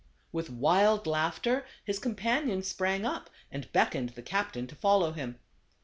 With wild laughter his companion sprang up, and beckoned the captain to follow him.